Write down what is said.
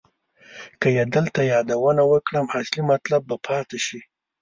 که یې دلته یادونه وکړم اصلي مطلب به پاتې شي.